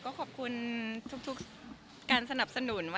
ก็ขอบคุณทุกการสนับสนุน